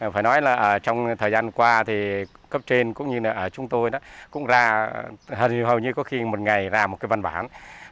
phải nói là trong thời gian qua cấp trên cũng như chúng tôi cũng ra hầu như có khi một ngày ra văn bản